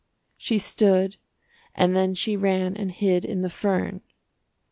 She stood, and then she ran and hid In the fern.